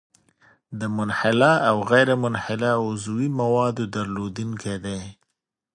د منحله او غیرمنحله عضوي موادو درلودونکی دی.